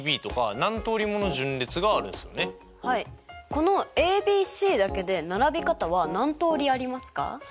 このＡＢＣだけで並び方は何通りありますか？